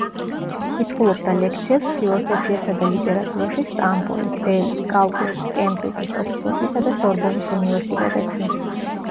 კითხულობდა ლექციებს ფილოსოფიასა და ლიტერატურაში სტამბოლის, დელის, კალკუტის, კემბრიჯის, ოქსფორდისა და სორბონის უნივერსიტეტებში.